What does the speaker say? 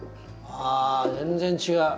あ全然違う。